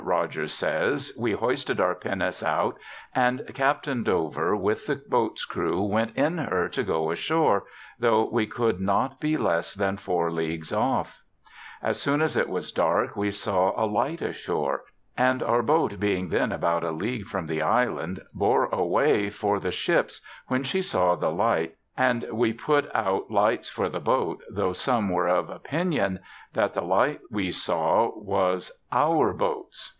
Rogers says, "we hoisted our pinnace out, and Captain Dover with the boats crew went in her to go ashoar, tho we could not be less than 4 leagues off. " As soon as it was dark we saw a light ashore ; and our boat being then about a league from the island bore away for the ships when she saw the light, and we put out lights for the boat, tho' some were of opinion the light we saw was our . ŌĆóŌĆó British Privateer. 5^ boat's.